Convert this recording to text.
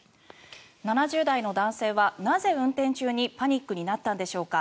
７０代の男性はなぜ、運転中にパニックになったんでしょうか。